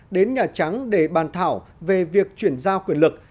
tổng thống mỹ đã gửi bàn thảo về việc chuyển giao quyền lực